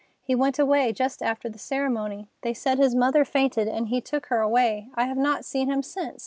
He went away just after the ceremony. They said his mother fainted and he took her away. I have not seen him since.